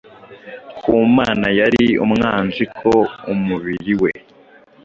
Ku Mana yari umwanziko umubiri we